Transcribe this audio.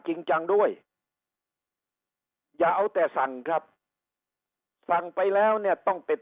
จริงจังด้วยอย่าเอาแต่สั่งครับสั่งไปแล้วเนี่ยต้องเป็น